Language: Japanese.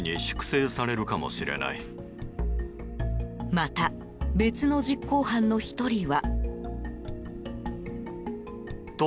また、別の実行犯の１人は。